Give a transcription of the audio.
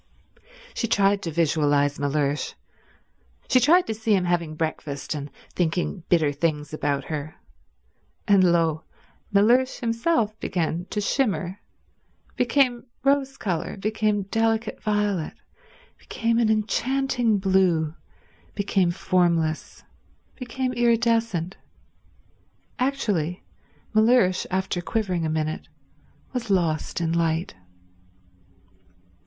She tried to visualize Mellersh, she tried to see him having breakfast and thinking bitter things about her; and lo, Mellersh himself began to shimmer, became rose colour, became delicate violet, became an enchanting blue, became formless, became iridescent. Actually Mellersh, after quivering a minute, was lost in light.